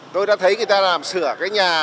tôi đã thấy người ta làm sửa cái nhà